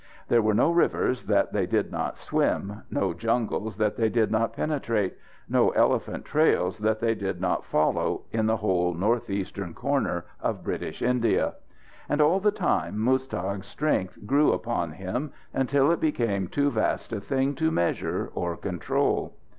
There were no rivers that they did not swim, no jungles that they did not penetrate, no elephant trails that they did not follow, in the whole northeastern corner of British India. And all the time Muztagh's strength grew upon him until it became too vast a thing to measure or control.